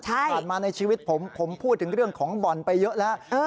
ผ่านมาในชีวิตผมผมพูดถึงเรื่องของบ่อนไปเยอะแล้ว